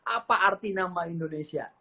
apa arti nama indonesia